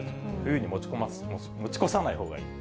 冬に持ち越さないほうがいい。